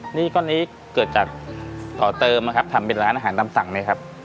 หนี้ก้อนนี้เกิดจากต่อเติมนะครับทำเป็นร้านอาหารตามสั่งเลยครับ